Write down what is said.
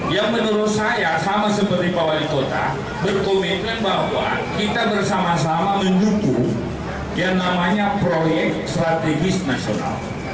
yang menurut saya sama seperti pak wali kota berkomitmen bahwa kita bersama sama membutuhkan yang namanya proyek strategis nasional